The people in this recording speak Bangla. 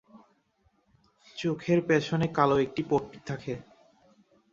চোখের পেছনে কালো একটি পট্টি থাকে।